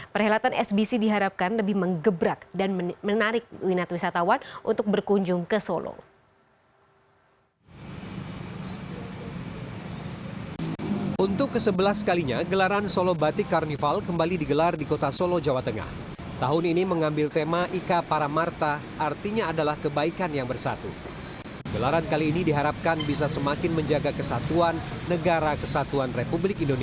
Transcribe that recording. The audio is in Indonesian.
perhelatan sbc diharapkan lebih mengebrak dan menarik winat wisatawan untuk berkunjung ke solo